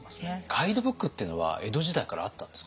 ガイドブックっていうのは江戸時代からあったんですか？